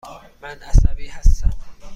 من عصبی هستم.